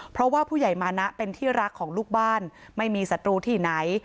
เพราะว่าผู้ใหญ่มานะเป็นที่รักของลูกบ้านไม่มีศัตรูที่ไหน